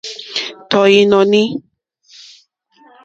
Tɔ̀ ìnɔ̀ní.